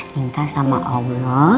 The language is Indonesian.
minta sama allah